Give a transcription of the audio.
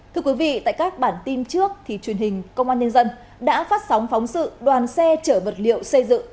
thưa quý vị tại các bản tin trước thì truyền hình công an nhân dân đã phát sóng phóng sự đoàn xe chở vật liệu xây dựng